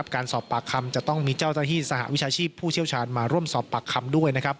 การสอบปากคำจะต้องมีเจ้าหน้าที่สหวิชาชีพผู้เชี่ยวชาญมาร่วมสอบปากคำด้วย